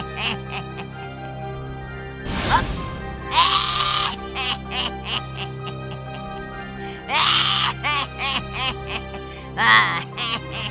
sungguh buruk nasibmu cahayu